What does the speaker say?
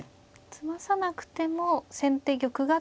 詰まさなくても先手玉が詰まない。